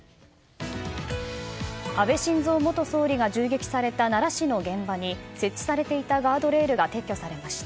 安倍晋三元総理が銃撃された奈良市の現場に設置されていたガードレールが撤去されました。